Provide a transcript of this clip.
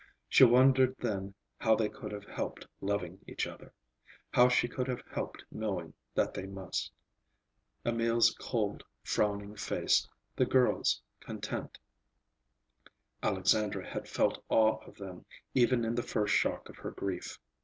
She wondered then how they could have helped loving each other; how she could have helped knowing that they must. Emil's cold, frowning face, the girl's content—Alexandra had felt awe of them, even in the first shock of her grief.